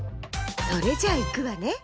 それじゃあいくわね。